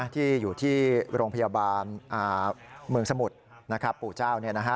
ที่อยู่ที่โรงพยาบาลเมืองสมุทรปู่เจ้า